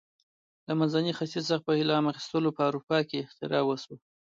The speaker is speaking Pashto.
له منځني ختیځ څخه په الهام اخیستو په اروپا کې اختراع شوه.